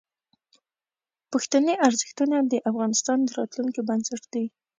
پښتني ارزښتونه د افغانستان د راتلونکي بنسټ دي.